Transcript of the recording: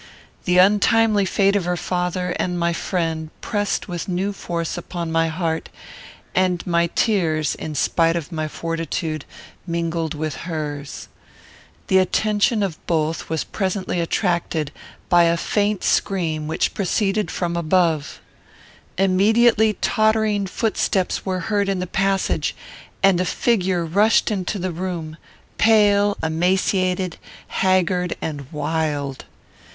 The untimely fate of her father and my friend pressed with new force upon my heart, and my tears, in spite of my fortitude, mingled with hers. The attention of both was presently attracted by a faint scream, which proceeded from above. Immediately tottering footsteps were heard in the passage, and a figure rushed into the room, pale, emaciated, haggard, and wild.